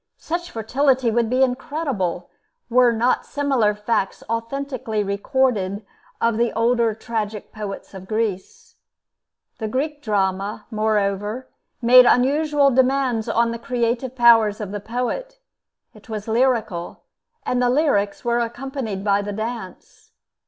Such fertility would be incredible, were not similar facts authentically recorded of the older tragic poets of Greece. The Greek drama, moreover, made unusual demands on the creative powers of the poet. It was lyrical, and the lyrics were accompanied by the dance.